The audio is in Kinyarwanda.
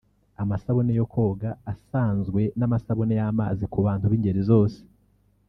amasabune yo koga asanzwe n’amasabune y’amazi ku bantu b’ingeri zose